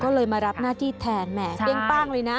ก็เลยมารับหน้าที่แทนแหม่เปรี้ยงป้างเลยนะ